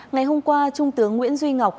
ngày hôm qua trung tướng nguyễn duy ngọc